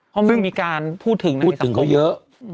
เพราะไม่มีการพูดถึงนะพูดถึงเขาเยอะ